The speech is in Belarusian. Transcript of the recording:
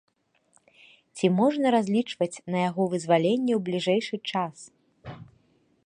Ці можна разлічваць на яго вызваленне ў бліжэйшы час?